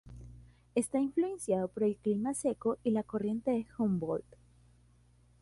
Está influenciado por el clima seco y la Corriente de Humboldt.